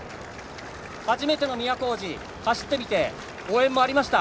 初めての都大路、走ってみて応援もありました。